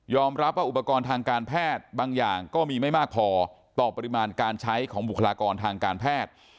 รับว่าอุปกรณ์ทางการแพทย์บางอย่างก็มีไม่มากพอต่อปริมาณการใช้ของบุคลากรทางการแพทย์